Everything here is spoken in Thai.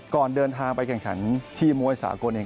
ก่อนเดินทางไปแข่งขันที่มวยสากลเอง